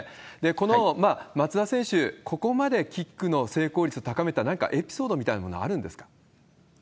この松田選手、ここまでキックの成功率高めた、何かエピソードみたいなものあるんですか？